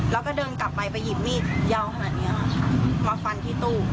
แล้วก็เดินกลับไปไปหยิบมีดยาวขนาดนี้ค่ะมาฟันที่ตู้